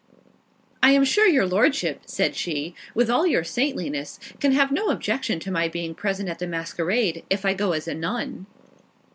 "I am sure your Lordship," said she, "with all your saintliness, can have no objection to my being present at the masquerade, if I go as a Nun."